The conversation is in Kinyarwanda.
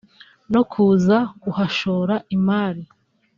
no kuza kuhashora imari